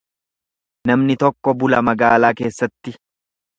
Namni tokko bula magaalaa keessatti.